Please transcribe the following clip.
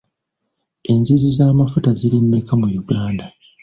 Enzizi z'amafuta ziri mmeka mu Uganda?